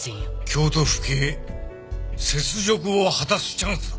京都府警雪辱を果たすチャンスだ。